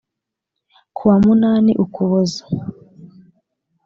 ku wa munani ukuboza